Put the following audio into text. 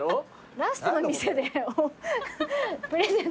ラストの店でプレゼント